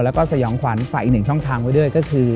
แล้วก็สยองขวัญฝากอีกหนึ่งช่องทางไว้ด้วยก็คือ